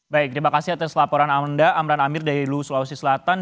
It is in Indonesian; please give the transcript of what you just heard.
baik terima kasih atas laporan anda amran amir dari luhu sulawesi selatan